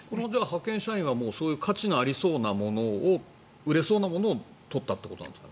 派遣社員は価値がありそうなものを売れそうなものを取ったということなんですか。